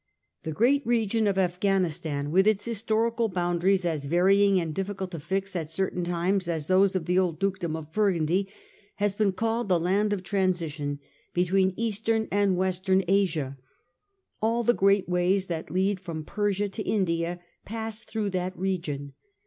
The great region of Afghanistan, with its historical boundaries as varying and difficult to fix at certain times as those of the old Dukedom of Burgundy, has been called the land of transition between Eastern and Western Asia. All the great ways that lead from Persia to India pass through that region.